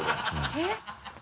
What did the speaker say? えっ？